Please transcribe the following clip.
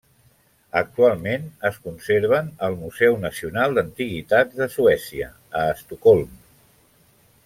Actualment es conserven al Museu Nacional d'Antiguitats de Suècia, a Estocolm.